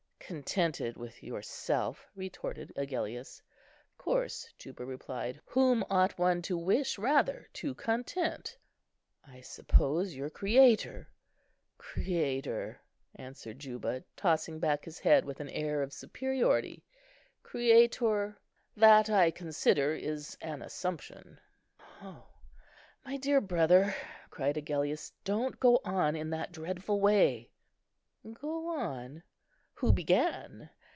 "Contented with yourself," retorted Agellius. "Of course," Juba replied; "whom ought one to wish rather to content?" "I suppose, your Creator." "Creator," answered Juba, tossing back his head with an air of superiority; "Creator;—that, I consider, is an assumption." "O, my dear brother," cried Agellius, "don't go on in that dreadful way!" " 'Go on!' who began?